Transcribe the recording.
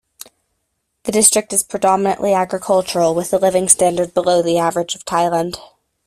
The district is predominantly agricultural, with a living standard below the average of Thailand.